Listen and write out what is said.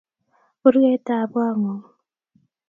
Kurgeetap Koong'ung.